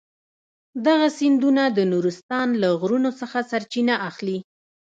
دغه سیندونه د نورستان له غرونو څخه سرچینه اخلي.